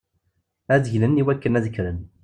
Ad gnen iwakken ad kkren.